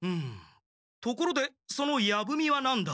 ところでその矢文は何だ？